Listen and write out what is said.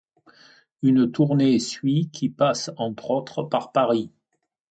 Une tournée suit qui passe, entre autres, par Paris.